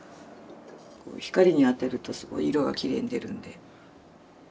光に当てるとすごい色がきれいに出るんで。